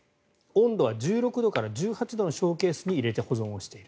温度は１６度から１８度のショーケースに入れて保存をしている。